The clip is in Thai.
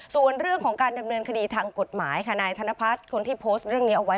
ส่วนเรื่องของการดำเนินคดีทางกฎหมายค่ะนายธนพัฒน์คนที่โพสต์เรื่องนี้เอาไว้